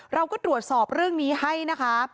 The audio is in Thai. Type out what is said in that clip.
เราก็ตรวจสอบเรื่องนี้ให้นะคะ